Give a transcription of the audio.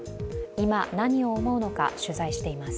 今、何を思うのか、取材しています。